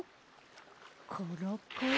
コロコロ。